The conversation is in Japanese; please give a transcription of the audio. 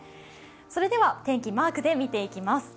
それでは天気、マークで見ていきます。